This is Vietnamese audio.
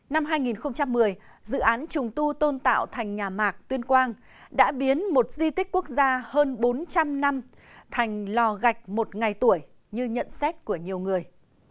năm hai nghìn một mươi dự án trùng tu tôn tạo thành nhà mạc tuyên quang đã biến một di tích quốc gia hơn bốn trăm linh năm thành lò gạch một ngày tuổi như nhận xét của nhiều người